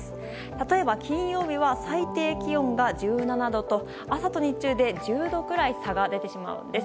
例えば、金曜日は最低気温が１７度と朝と日中で１０度くらい差が出てしまうんです。